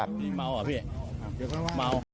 พี่เมาเหรอพี่เมา